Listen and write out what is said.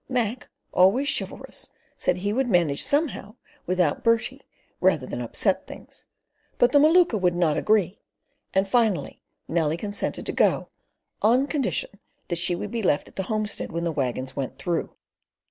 Mac, always chivalrous, said he would manage somehow without Bertie, rather than "upset things"; but the Maluka would not agree, and finally Nellie consented to go, on condition that she would be left at the homestead when the waggons went through.